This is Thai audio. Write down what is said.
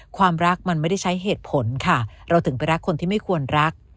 ความรักมันไม่ได้ใช้เหตุผลค่ะเราถึงไปรักคนที่ไม่ควรรัก